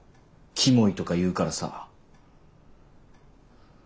キモイとか言うからさ。